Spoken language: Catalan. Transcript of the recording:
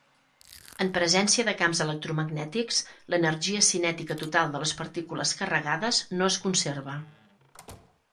En presència de camps electromagnètics l'energia cinètica total de les partícules carregades no es conserva.